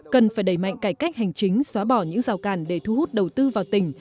cần phải đẩy mạnh cải cách hành chính xóa bỏ những rào cản để thu hút đầu tư vào tỉnh